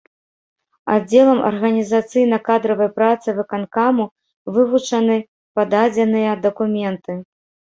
Аддзелам арганізацыйна-кадравай працы выканкаму вывучаны пададзеныя дакументы.